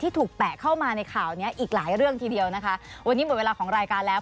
ถูกแปะเข้ามาในข่าวเนี้ยอีกหลายเรื่องทีเดียวนะคะวันนี้หมดเวลาของรายการแล้ว